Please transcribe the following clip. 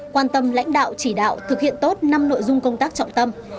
quan tâm lãnh đạo chỉ đạo thực hiện tốt năm nội dung công tác trọng tâm